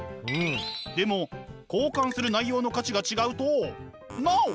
でも交換する内容の価値が違うとＮＯ！